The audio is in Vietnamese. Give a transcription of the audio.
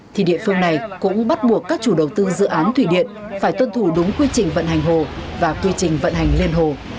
thì địa phương này cũng bắt buộc các chủ đầu tư dự án thủy điện phải tuân thủ đúng quy trình vận hành hồ và quy trình vận hành liên hồ